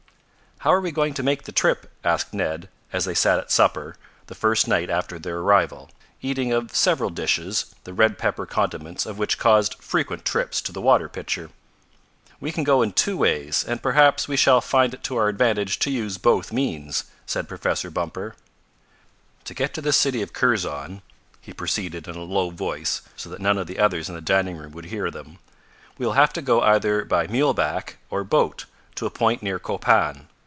"How are we going to make the trip?" asked Ned, as they sat at supper, the first night after their arrival, eating of several dishes, the red pepper condiments of which caused frequent trips to the water pitcher. "We can go in two ways, and perhaps we shall find it to our advantage to use both means," said Professor Bumper. "To get to this city of Kurzon," he proceeded in a low voice, so that none of the others in the dining room would hear them, "we will have to go either by mule back or boat to a point near Copan.